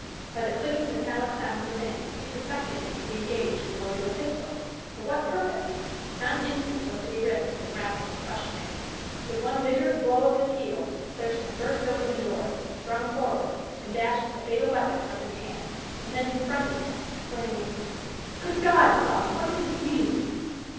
By the clicking, metallic sounds within, he suspected him to be engaged in loading a pistol; for what purpose! Not an instant was to be risked in rapping or questioning. With one vigorous blow of his heel Thurston burst open the door, and sprung forward and dashed the fatal weapon from his hand, and then confronted him, exclaiming: "Good God, Cloudy! What does this mean?"